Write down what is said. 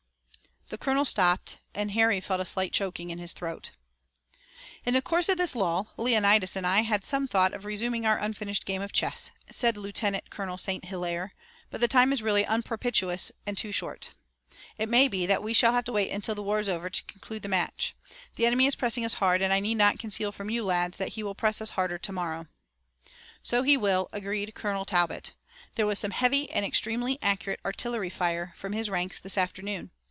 The colonel stopped, and Harry felt a slight choking in his throat. "In the course of this lull, Leonidas and I had some thought of resuming our unfinished game of chess," said Lieutenant Colonel St. Hilaire, "but the time is really unpropitious and too short. It may be that we shall have to wait until the war is over to conclude the match. The enemy is pressing us hard, and I need not conceal from you lads that he will press us harder tomorrow." "So he will," agreed Colonel Talbot. "There was some heavy and extremely accurate artillery fire from his ranks this afternoon.